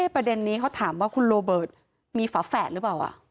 ประเด็นนี้เขาถามว่าคุณโรเบิร์ตมีฝาแฝดหรือเปล่า